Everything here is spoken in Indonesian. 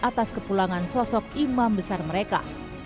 atas kepulangan sosok imam besar mereka